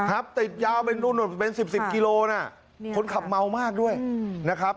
ครับติดยาวเป็นดูดนกประมาณสิบสิบกิโลนะคนขับเมามากด้วยนะครับ